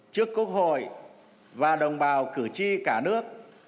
trước quốc hội và đồng bào cử tri cả nước